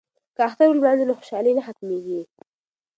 که اختر ولمانځو نو خوشحالي نه ختمیږي.